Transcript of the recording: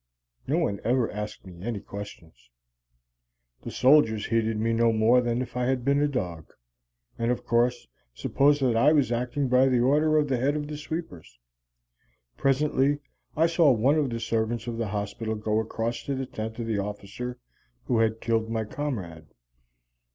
No one ever asked me any questions. The soldiers heeded me no more than if I had been a dog, and, of course, supposed that I was acting by the order of the head of the sweepers. Presently I saw one of the servants of the hospital go across to the tent of the officer who had killed my comrade.